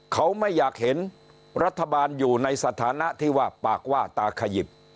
เขาไม่อยากเห็นรัฐบาลอยู่ในสถานะที่ว่าปากว่าตาขยิบ